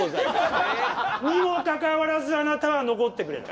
にもかかわらずあなたは残ってくれる。